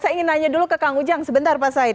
saya ingin nanya dulu ke kang ujang sebentar pak said